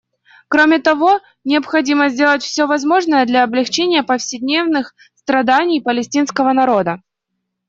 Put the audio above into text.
Кроме того, необходимо сделать все возможное для облегчения повседневных страданий палестинского народа.